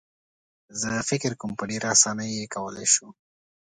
زه فکر کوم په ډېره اسانۍ یې کولای شو.